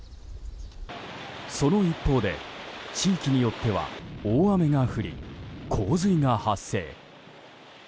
その一方で地域によっては大雨が降り洪水が発生。